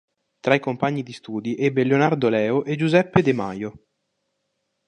Tra i compagni di studi ebbe Leonardo Leo e Giuseppe de Majo.